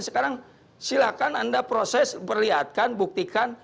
sekarang silahkan anda proses perlihatkan buktikan